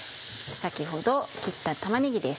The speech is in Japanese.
先ほど切った玉ねぎです。